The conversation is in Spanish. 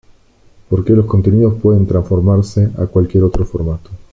Por lo que los contenidos pueden transformarse a cualquier otro formato.